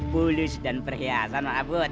bulus dan perhiasan wanaput